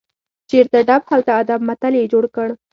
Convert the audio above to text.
چیرته ډب، هلته ادب متل یې جوړ کړ.